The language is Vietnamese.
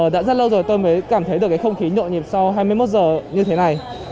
đã rất lâu rồi tôi mới cảm thấy được cái không khí nhộn nhịp sau hai mươi một giờ như thế này